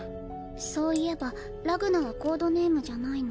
そういえば「ラグナ」はコードネームじゃないの？